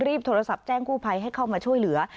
โทรศัพท์แจ้งกู้ภัยให้เข้ามาช่วยเหลือ